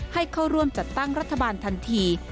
ให้เข้าร่วมจัดตั้งรัฐบาลทันที